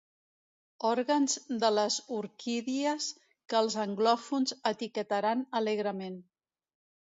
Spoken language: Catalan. Òrgans de les orquídies que els anglòfons etiquetaran alegrement.